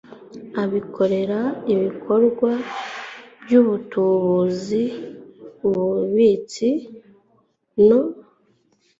abikorera ibikorwa by ubutubuzi ububitsi no